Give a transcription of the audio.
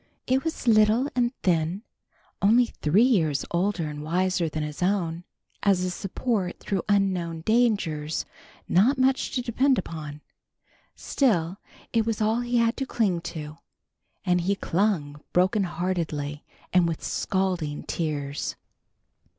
It was little and thin, only three years older and wiser than his own; as a support through unknown dangers not much to depend upon, still it was all he had to cling to, and he clung broken heartedly and with scalding tears.